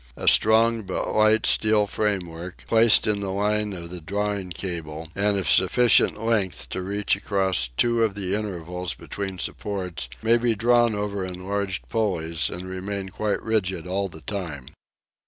A strong but light steel framework, placed in the line of the drawing cable, and of sufficient length to reach across two of the intervals between the supports, may be drawn over enlarged pulleys and remain quite rigid all the time.